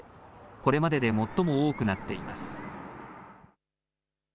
これまでで最も多くなっています。